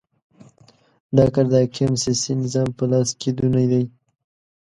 دا کار د حاکم سیاسي نظام په لاس کېدونی دی.